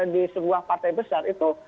di sebuah partai besar itu